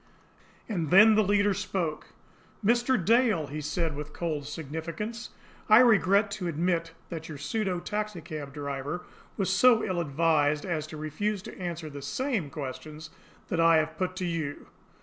And then the leader spoke. "Mr. Dale," he said, with cold significance, "I regret to admit that your pseudo taxicab driver was so ill advised as to refuse to answer the SAME questions that I have put to you."